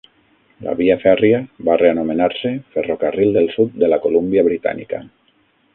La via fèrria va reanomenar-se Ferrocarril del Sud de la Colúmbia Britànica.